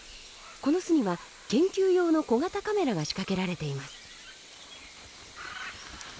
この巣には研究用の小型カメラが仕掛けられています。